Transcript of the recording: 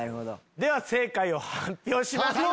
では正解を発表します。